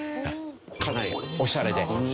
かなりオシャレで。